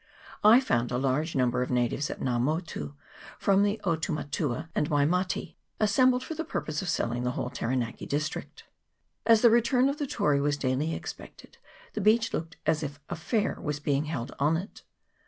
I found a large number of natives at Nga Motu from the Otumatua and Waimate, as sembled for the purpose of selling the whole Tara naki district. As the return of the Tory was daily expected, the beach looked as if a fair was being held on it.